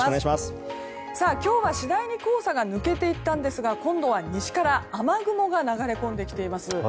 今日は次第に黄砂が抜けていったんですが今度は西から雨雲が流れ込んできています。